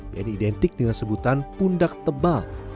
dan identik dengan sebutan pundak tebal